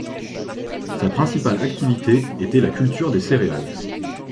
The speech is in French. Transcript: Sa principale activité était la culture des céréales.